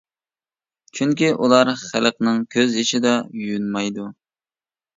چۈنكى ئۇلار خەلقنىڭ كۆز يېشىدا يۇيۇنمايدۇ.